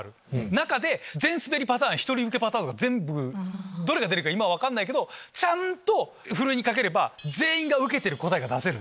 中で全スベりパターン１人ウケパターンとかどれが出るか今分かんないけどちゃんとふるいにかければ全員がウケてる答えが出せる。